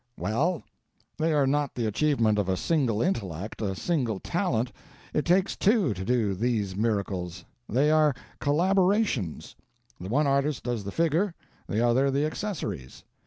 "Well, they are not the achievement of a single intellect, a single talent—it takes two to do these miracles. They are collaborations; the one artist does the figure, the other the accessories.